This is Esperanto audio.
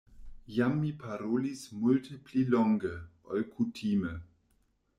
Jam mi parolis multe pli longe, ol kutime.